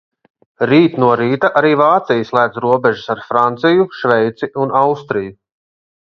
Rīt no rīta arī Vācija slēdz robežas - ar Franciju, Šveici un Austriju.